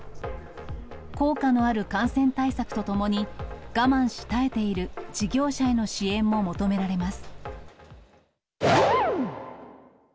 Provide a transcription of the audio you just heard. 効果のある感染対策とともに、我慢し耐えている事業者への支援も求められます。